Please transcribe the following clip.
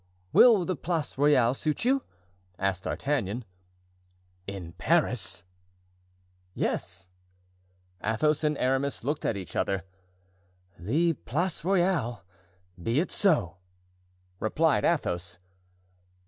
"Will the Place Royale suit you?" asked D'Artagnan. "In Paris?" "Yes." Athos and Aramis looked at each other. "The Place Royale—be it so!" replied Athos.